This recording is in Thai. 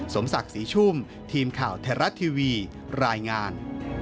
สมศักดิ์ศรีชุ่มทีมข่าวไทยรัฐทีวีรายงาน